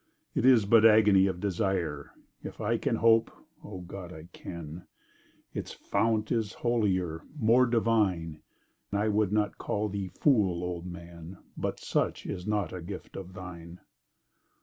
It is but agony of desire: If I can hope—Oh God! I can— Its fount is holier—more divine— I would not call thee fool, old man, But such is not a gift of thine.